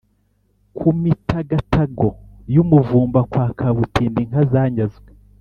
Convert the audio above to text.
ku mitagatago y’umuvumba kwa kabutindi inka zanyazwe;